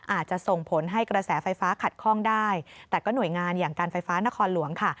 อาจจะส่งผลให้กระแสไฟฟ้าขัดข้องได้แต่ก็หน่วยงานอย่างการไฟฟ้านครหลวงค่ะ